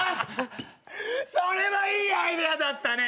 それはいいアイデアだったね！